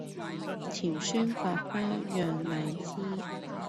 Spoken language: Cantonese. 甜酸百花釀荔枝